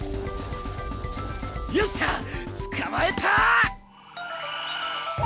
よっしゃ捕まえた！